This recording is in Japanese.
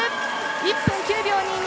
１分９秒２２。